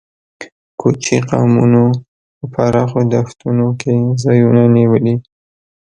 کوچي قومونو په پراخو دښتونو کې ځایونه نیولي.